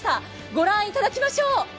ご覧いただきましょう。